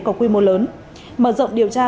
có quy mô lớn mở rộng điều tra